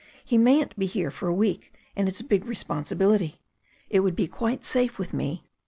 He ma3m't be here for a week, and it's a big responsi bility. It would be quite safe with me."